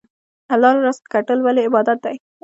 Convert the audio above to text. حلال رزق ګټل ولې عبادت دی؟